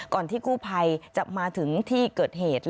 ที่กู้ภัยจะมาถึงที่เกิดเหตุ